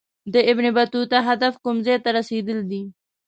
د ابن بطوطه هدف کوم ځای ته رسېدل دي.